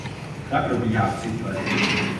Hra probíhá v cyklech.